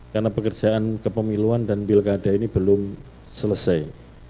karena pekerjaan kepemiluan dan pilkada ini belum selesai